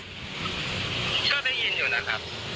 ชาวบ้านหายนี่เย้ได้ยินอยู่นะครับ